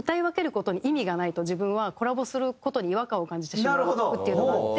事に意味がないと自分はコラボする事に違和感を感じてしまうっていうのがあって。